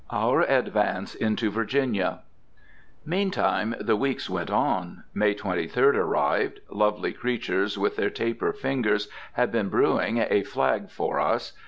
OUR ADVANCE INTO VIRGINIA. Meantime the weeks went on. May 23d arrived. Lovely creatures with their taper fingers had been brewing a flag for us.